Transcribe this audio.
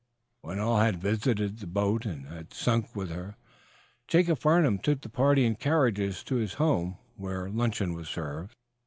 When all had visited the boat, and had sunk with her, Jacob Farnum took the party in carriages to his home, where luncheon was served.